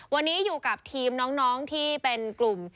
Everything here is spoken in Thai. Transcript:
วันนี้อยู่กับทีมน้องที่เป็นกลุ่ม